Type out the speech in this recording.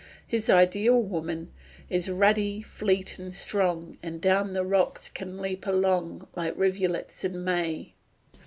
His ideal woman is ruddy, fleet and strong, And down the rocks can leap along Like rivulets in May.